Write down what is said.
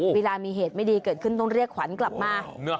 เวลามีเหตุไม่ดีเกิดขึ้นต้องเรียกขวัญกลับมา